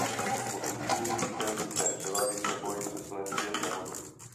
Po zničení ruské vzdušné převahy se boj přesune zpět na vodu.